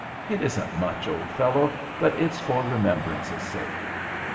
It isn't much, old fellow, but it's for remembrance' sake."